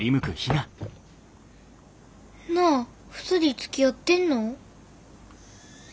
なあ２人つきあってんの？